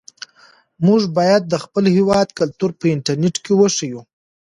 موږ باید د خپل هېواد کلتور په انټرنيټ کې وښیو.